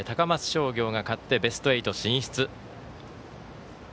商業が勝ってベスト８進出。